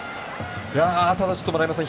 ただ、ちょっと丸山さん